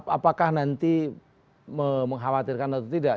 apakah nanti mengkhawatirkan atau tidak